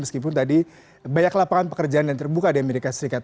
meskipun tadi banyak lapangan pekerjaan yang terbuka di amerika serikat